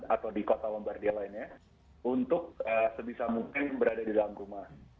atau di kota lombardia lainnya untuk sebisa mungkin berada di dalam rumah